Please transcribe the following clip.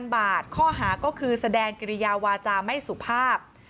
๐บาทข้อหาก็คือแสดงกิริยาวาจาไม่สุภาพ